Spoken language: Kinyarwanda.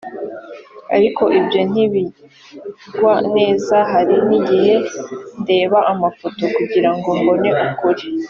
ariko ibyo ntibingwa neza hari n igihe ndeba amafoto kugirago mbone ukuri